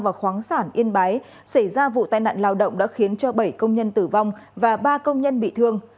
và khoáng sản yên bái xảy ra vụ tai nạn lao động đã khiến bảy công nhân tử vong và ba công nhân bị thương